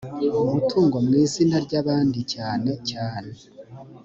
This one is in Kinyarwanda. umutungo mu izina ry abandi cyane cyane